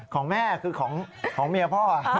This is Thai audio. ของแม่คือของเมียพ่อ